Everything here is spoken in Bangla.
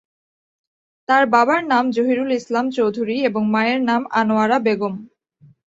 তার বাবার নাম জহিরুল ইসলাম চৌধুরী এবং মায়ের নাম আনোয়ারা বেগম।